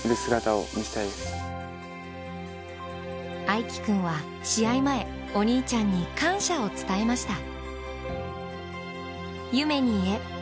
愛季君は試合前、お兄ちゃんに感謝を伝えました。